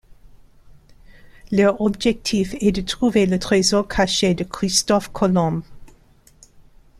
Leur objectif est de trouver le trésor caché de Christophe Colomb.